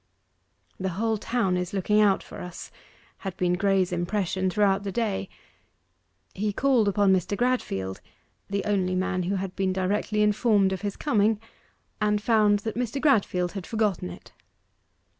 'The whole town is looking out for us,' had been Graye's impression throughout the day. He called upon Mr. Gradfield the only man who had been directly informed of his coming and found that Mr. Gradfield had forgotten it.